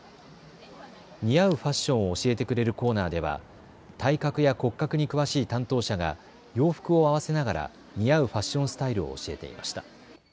似合うファッションを教えてくれるコーナーでは体格や骨格に詳しい担当者が洋服を合わせながら似合うファッションスタイルを教えていました。